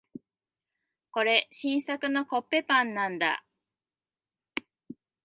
これ、新作のコッペパンなんだ。